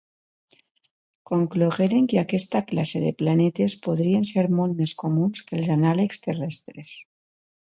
Conclogueren que aquesta classe de planetes podrien ser molt més comuns que els anàlegs terrestres.